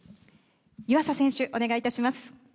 湯浅選手、お願いいたします。